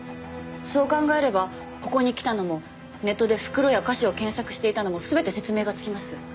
そう考えればここに来たのもネットで「袋」や「菓子」を検索していたのも全て説明がつきます。